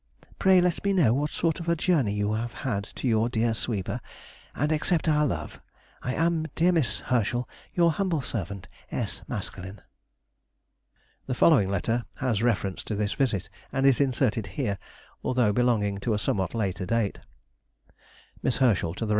Pray let me know what sort of a journey you have had to your dear sweeper, and accept our love. I am, dear Miss Herschel, Your humble servant, S. MASKELYNE. [Sidenote: 1799 1800. Letters.] The following letter has reference to this visit, and is inserted here, although belonging to a somewhat later date:— MISS HERSCHEL TO THE REV.